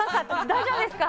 大丈夫ですか？